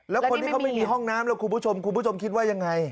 แล้วคนที่เขาไม่มีห้องน้ำแล้วคุณผู้ชมคุณผู้ชมคิดว่ายังไง